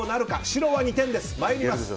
白は２点です。